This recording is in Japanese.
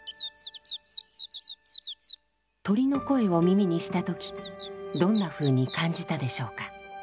鳥の声を耳にした時どんなふうに感じたでしょうか？